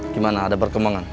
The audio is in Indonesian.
gimana ada perkembangan